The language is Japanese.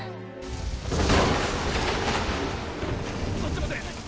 ・そっち持て！